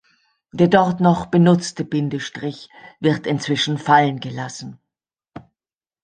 Der dort noch benutzte Bindestrich wird inzwischen fallengelassen.